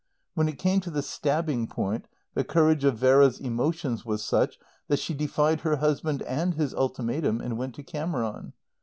When it came to the stabbing point the courage of Vera's emotions was such that she defied her husband and his ultimatum, and went to Cameron.